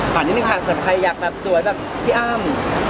นิดนึงค่ะสำหรับใครอยากแบบสวยแบบพี่อ้ำ